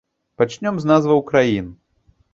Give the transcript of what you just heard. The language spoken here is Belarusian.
Пачнём з назваў краін.